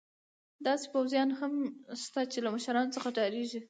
داسې پوځیان هم شته چې له مشرانو څخه ډارېږي.